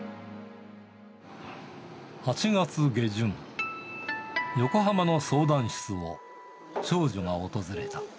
８月下旬、横浜の相談室を、少女が訪れた。